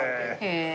へえ！